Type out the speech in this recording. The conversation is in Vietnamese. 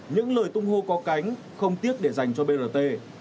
cho cánh không tiếc để dành cho brt